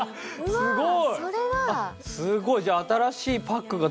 すごい！